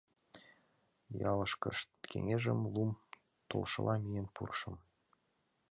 Ялышкышт кеҥежым лум толшыла миен пурышым.